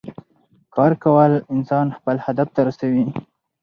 کار کول انسان خپل هدف ته رسوي